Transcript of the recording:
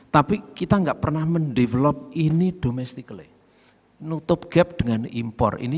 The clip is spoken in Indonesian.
tapi kita nggak pernah mendevelop ini domestically nutup gap dengan impor ini